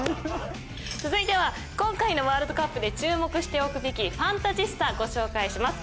続いては今回のワールドカップで注目しておくべきファンタジスタご紹介します。